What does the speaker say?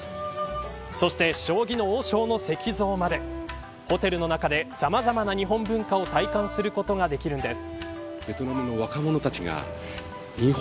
そして、将棋の王将の石像までホテルの中でさまざまな日本文化を体感することができるんです。